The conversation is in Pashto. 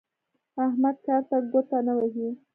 احمد کار ته ګوته نه وهي.